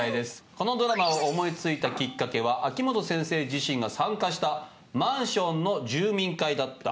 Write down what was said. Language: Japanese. このドラマを思い付いたきっかけは秋元先生自身が参加したマンションの住民会だった。